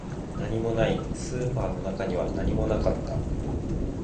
何もない、スーパーの中には何もなかった